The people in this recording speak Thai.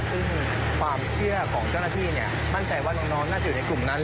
ซึ่งความเชื่อของเจ้าหน้าที่มั่นใจว่าน้องน่าจะอยู่ในกลุ่มนั้น